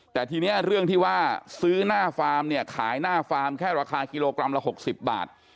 แต่ทีนี้เรื่องที่ว่าซื้อหน้าฟาร์มเนี่ยขายหน้าฟาร์มแค่ราคากิโลกรัมละ๖๐บาท